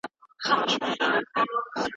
دا تعریف تر هغو نورو بشپړ دی.